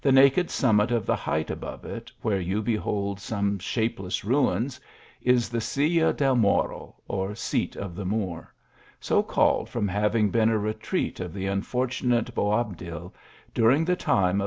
naked summit of the height above it, where you be hold some shapeless ruins, is tBe Silla del Moro, or seat of the Moor ; so called from having been a re treat of the unfortunate Boabdil, during the time of.